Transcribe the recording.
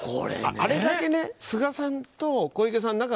あれだけ菅さんと小池さん